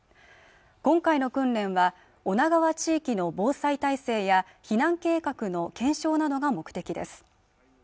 今回の訓練は女川地域の防災体制や避難計画の検証などが目的です